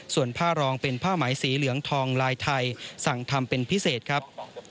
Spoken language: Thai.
ส่วนผ้ารองเป็นผ้าไหมสีเหลืองทองลายไทยสั่งทำเป็นพิเศษครับ